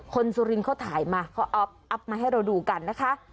สุรินทร์เขาถ่ายมาเขาอัพมาให้เราดูกันนะคะ